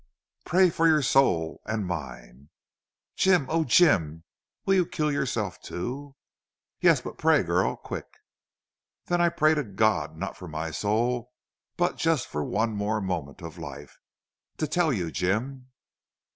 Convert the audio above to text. "Pray for your soul and mine!" "Jim! Oh Jim!... Will you kill yourself, too?" "Yes! But pray, girl quick!" "Then I pray to God not for my soul but just for one more moment of life... TO TELL YOU, JIM!"